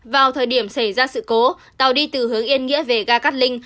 vào thời điểm xảy ra sự cố tàu đi từ hướng yên nghĩa về ga cát linh